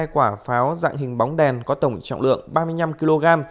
một trăm một mươi hai quả pháo dạng hình bóng đèn có tổng trọng lượng ba mươi năm kg